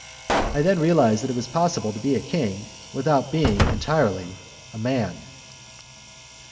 I then realized that it was possible to be a king without being entirely a man.